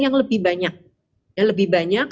yang lebih banyak dan lebih banyak